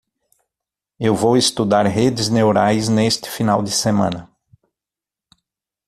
Eu vou estudar redes neurais neste final de semana.